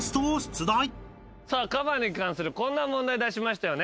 カバに関するこんな問題出しましたよね。